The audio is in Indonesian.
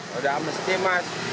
tidak mesti mas